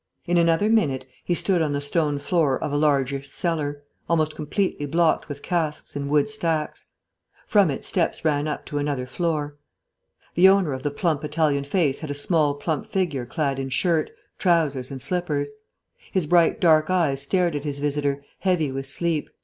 In another minute he stood on the stone floor of a largish cellar, almost completely blocked with casks and wood stacks. From it steps ran up to another floor. The owner of the plump Italian face had a small plump figure clad in shirt, trousers, and slippers. His bright dark eyes stared at his visitor, heavy with sleep.